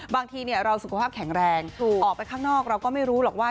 บางทีเราสุขภาพแข็งแรงออกไปข้างนอกเราก็ไม่รู้หรอกว่า